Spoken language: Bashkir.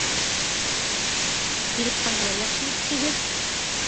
Килеп ҡайһылай яҡшы иттегеҙ!